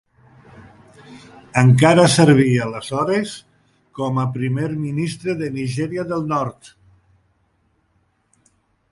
Encara servia aleshores com a primer ministre de Nigèria del Nord.